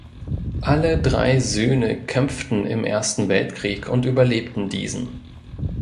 Alle drei Söhne kämpften im Ersten Weltkrieg und überlebten diesen.